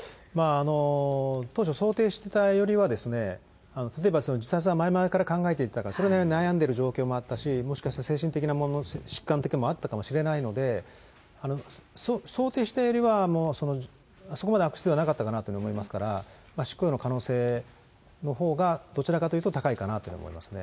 当初想定してたよりは、例えば自殺は前々から考えていたら、それなりに悩んでいた状況もあったし、もしかしたら精神的な疾患もあったかもしれないので、想定していたよりは、そこまで悪質ではなかったかなと思いますから、執行猶予の可能性のほうが、どちらかというと高いかなと思いますね。